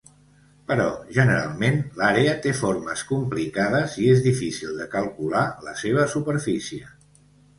Però, generalment, l'àrea té formes complicades i és difícil de calcular la seva superfície.